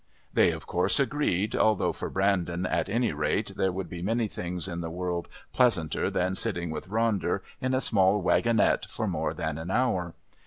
They, of course, agreed, although for Brandon at any rate there would be many things in the world pleasanter than sitting with Ronder in a small wagonette for more than an hour.